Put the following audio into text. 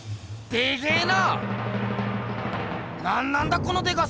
でっけえな。